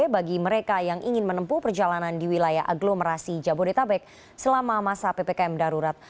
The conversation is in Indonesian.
bagi mereka yang ingin menempuh perjalanan di wilayah aglomerasi jabodetabek selama masa ppkm darurat